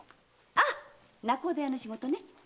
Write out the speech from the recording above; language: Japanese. ああ仲人屋の仕事ね？